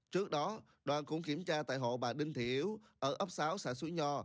trước đó đoàn cũng kiểm tra tại hộ bà đinh thị yếu ở ấp sáu xã suối nho